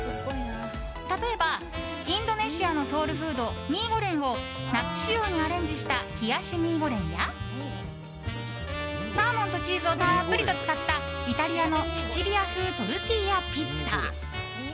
例えばインドネシアのソウルフードミーゴレンを夏仕様にアレンジした冷やしミーゴレンやサーモンとチーズをたっぷりと使ったイタリアのシチリア風トルティーヤピザ。